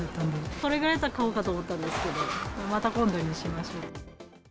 これぐらいだったら買おうかと思ったんですけど、また今度にしましょう。